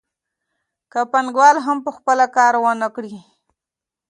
که پانګوال هم په خپله کار ونه کړي